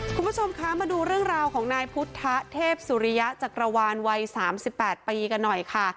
คุณผู้ชมคะมาดูเรื่องราวของนายพุทธเทพสุริยะจักรวาลวัย๓๘ปีกันหน่อยค่ะ